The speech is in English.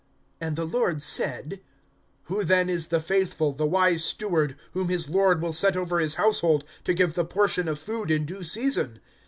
(42)And the Lord said: Who then is the faithful, the wise steward, whom his lord will set over his household, to give the portion of food in due season?